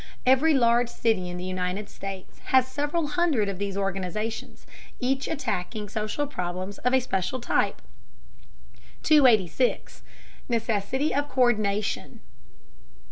Every large city in the United States has several hundred of these organizations, each attacking social problems of a special type. 286. NECESSITY OF COÍRDINATION.